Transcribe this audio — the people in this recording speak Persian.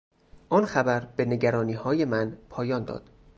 آن خبر به نگرانیهای من پایان داد.